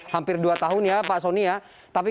hampir dua tahun ya pak soni ya tapi